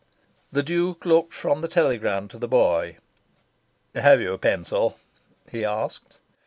The Duke looked from the telegram to the boy. "Have you a pencil?" he asked.